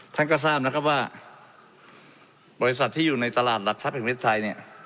ท่านก็ทราบนะครับว่าบริษัทที่อยู่ในตลาดหลักทรัพย์แห่งประเทศไทยเนี่ย